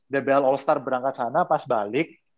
dbl all star berangkat sana pas balik